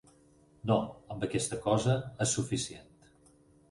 No, amb aquesta cosa és suficient.